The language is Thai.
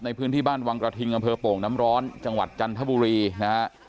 ในพื้นที่บ้านวังกระทิงอำเภอโป่งน้ำร้อนจังหวัดจันทบุรีนะฮะ